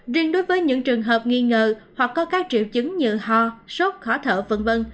riêng đối với những trường hợp nghi ngờ hoặc có các triệu chứng như ho sốt khó thở v v